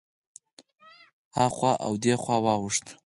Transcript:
هخوا او دېخوا واوښته.